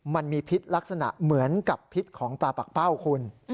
มันมีพิษลักษณะเหมือนกับพิษของปลาปากเป้าคุณ